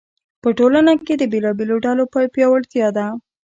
په ټولنه کې د بېلابېلو ډلو پیاوړتیا ده.